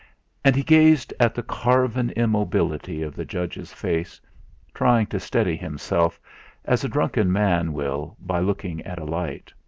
And he gazed at the carven immobility of the judge's face, trying to steady himself, as a drunken man will, by looking at a light.